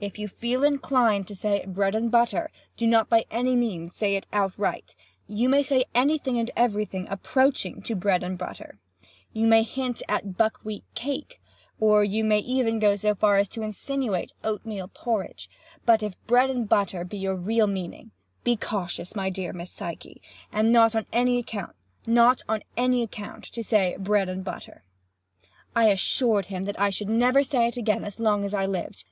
If you feel inclined to say 'bread and butter,' do not by any means say it outright. You may say any thing and every thing approaching to 'bread and butter.' You may hint at buck wheat cake, or you may even go so far as to insinuate oat meal porridge, but if bread and butter be your real meaning, be cautious, my dear Miss Psyche, not on any account to say 'bread and butter!'" I assured him that I should never say it again as long as I lived.